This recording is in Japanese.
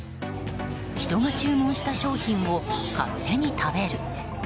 人が注文した商品を勝手に食べる。